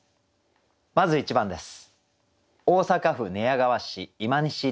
まず１番です。